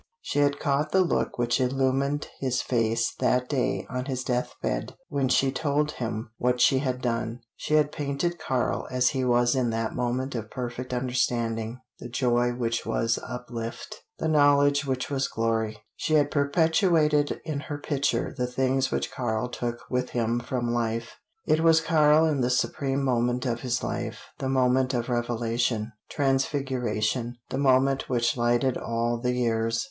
She had caught the look which illumined his face that day on his death bed when she told him what she had done. She had painted Karl as he was in that moment of perfect understanding the joy which was uplift, the knowledge which was glory. She had perpetuated in her picture the things which Karl took with him from life. It was Karl in the supreme moment of his life the moment of revelation, transfiguration, the moment which lighted all the years.